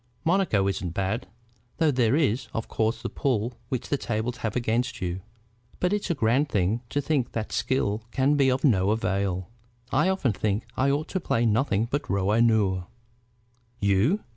"Monaco isn't bad, though there is, of course, the pull which the tables have against you. But it's a grand thing to think that skill can be of no avail. I often think that I ought to play nothing but rouge et noir." "You?"